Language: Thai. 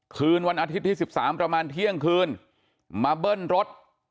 คืนวันอาทิตย์ที่๑๓ประมาณเที่ยงคืนมาเบิ้ลรถ